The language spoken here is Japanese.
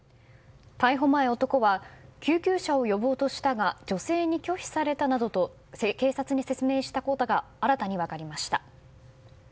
逮捕前、男は救急車を呼ぼうとしたが女性に拒否されたなどと警察に説明したことが新たに分かりました。